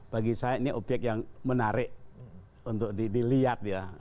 bagi saya ini obyek yang menarik untuk dilihat ya